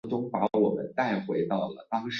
墨西哥城地铁四号线的标志就是一头猛犸。